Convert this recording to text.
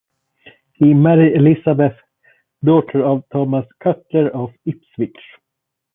He married Elizabeth, daughter of Thomas Cutler of Ipswich.